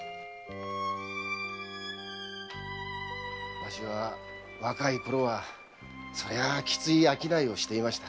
わしは若いころはそりゃあきつい商いをしていました。